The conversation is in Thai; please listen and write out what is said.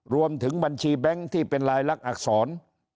รวมถึงบัญชีแบงค์ที่เป็นลายลักษณอักษร